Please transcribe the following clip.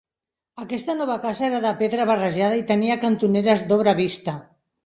Aquesta nova casa era de pedra barrejada i tenia cantoneres d'obra vista.